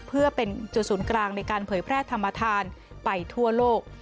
เพื่อเป็นจุดศูนย์กลางในการเผยแพร่ธรรมธานไปทั่วโลก